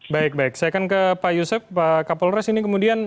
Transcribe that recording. baik baik saya akan ke pak yusef pak kapolres ini kemudian